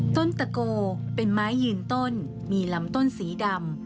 ตะโกเป็นไม้ยืนต้นมีลำต้นสีดำ